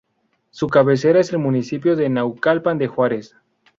Su cabecera es el municipio de Naucalpan de Juárez.